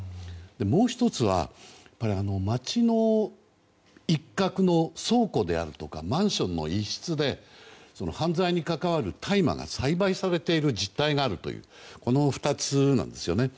もう１つは町の一角の倉庫であるとかマンションの一室で犯罪に関わる大麻が栽培されている実態があるというこの２つなんですよね。